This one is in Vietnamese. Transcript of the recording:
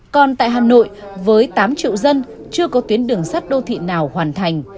còn tại hà nội với tám triệu dân chưa có tuyến đường sắt đô thị nào hoàn thành